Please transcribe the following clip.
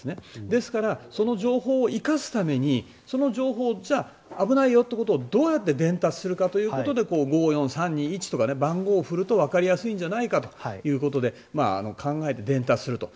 ですからその情報を生かすためにその情報をじゃあ危ないよってことをどうやって伝達するかということで５、４、３、２、１とか番号を振るとわかりやすいんじゃないかということで考えて伝達すると。